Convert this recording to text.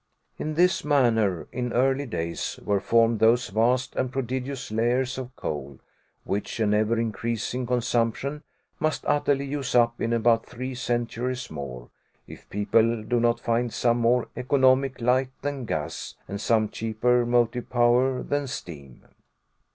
In this manner, in early days, were formed those vast and prodigious layers of coal, which an ever increasing consumption must utterly use up in about three centuries more, if people do not find some more economic light than gas, and some cheaper motive power than steam.